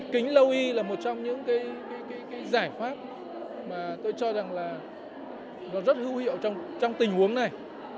kính lâu y là một trong những giải pháp mà tôi cho rằng là nó rất hữu hiệu trong tình huống này